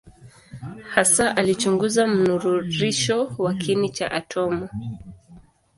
Hasa alichunguza mnururisho wa kiini cha atomu.